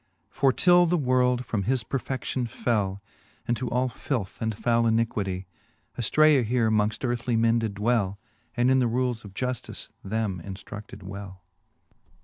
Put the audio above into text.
For till the world from his perfedion fell Into all filth and foule iniquitie, Afircea here mongft earthly men did dwell, And in the rules of juftice them inftruded well.